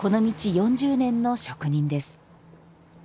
４０年の職人です。